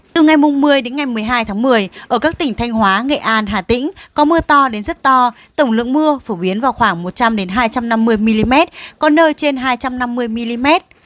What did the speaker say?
từ ngày một mươi đến ngày một mươi hai tháng một mươi ở các tỉnh thanh hóa nghệ an hà tĩnh có mưa to đến rất to tổng lượng mưa phổ biến vào khoảng một trăm linh hai trăm năm mươi mm có nơi trên hai trăm năm mươi mm